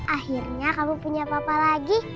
akhirnya kamu punya papa lagi